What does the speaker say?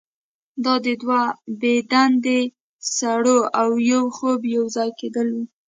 دا د دوه بې دندې سړو او یو خوب یوځای کیدل وو